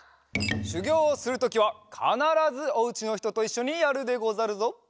しゅぎょうをするときはかならずおうちのひとといっしょにやるでござるぞ。